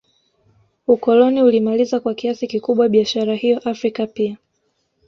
Ukoloni ulimaliza kwa kiasi kikubwa biashara hiyo Afrika pia